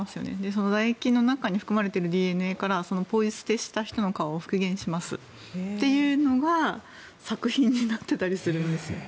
そのだ液の中に含まれているＤＮＡからそのポイ捨てした人の顔を復元しますっていうのが作品になっていたりするんです。